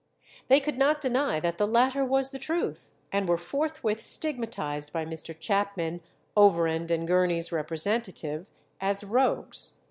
They could not deny that the latter was the truth, and were forthwith stigmatized by Mr. Chapman, Overend and Gurney's representative, as rogues.